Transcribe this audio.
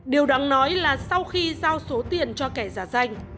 điều đáng nói là sau khi giao số tiền cho kẻ giả danh